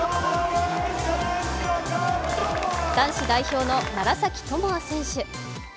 男子代表の楢崎智亜選手。